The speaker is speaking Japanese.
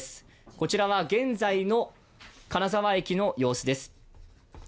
こちらは現在の金沢駅の様子です。